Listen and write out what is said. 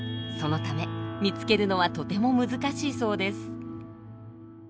そのため見つけるのはとても難しいそうです。